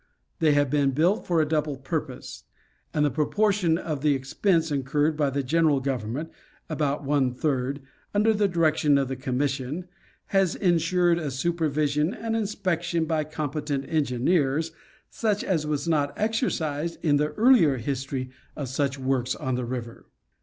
They have been built for a double purpose ; and the pro portion of the expense incurred by the general government, about one third, under the direction of the Commission, has insured a supervision and inspection by competent engineers such as was not exercised in the earlier history of such works on the river.